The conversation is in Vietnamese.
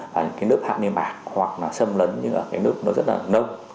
và những cái nớp hạ niêm mạc hoặc là sâm lấn những cái nớp nó rất là nông